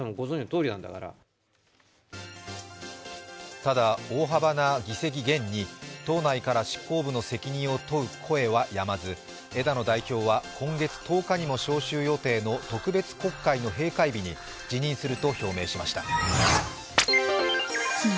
ただ大幅な議席減に党内から執行部の責任を問う声はやまず枝野代表は今月１０日にも召集予定の特別国会の閉会日に辞任すると表明しました。